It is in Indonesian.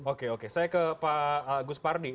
oke oke saya ke pak gus pardi